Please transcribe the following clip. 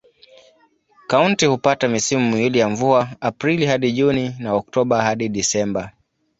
Kaunti hupata misimu miwili ya mvua: Aprili hadi Juni na Oktoba hadi Disemba.